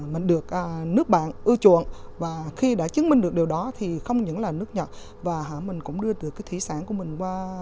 mình được nước bạn ưa chuộng và khi đã chứng minh được điều đó thì không những là nước nhật và họ mình cũng đưa được cái thủy sản của mình qua